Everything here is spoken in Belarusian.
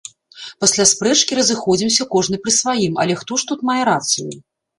Пасля спрэчкі разыходзімся кожны пры сваім, але хто ж тут мае рацыю?